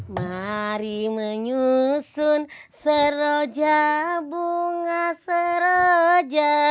mari menyusun sroja bunga sroja